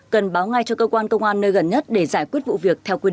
cần báo ngay cho cơ quan công an nơi gần nhất để giải quyết vụ việc theo quy định